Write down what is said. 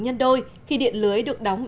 nhân đôi khi điện lưới được đóng